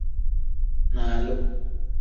Nalim.